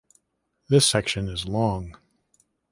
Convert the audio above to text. This section is long.